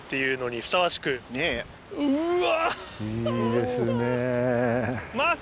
うわ！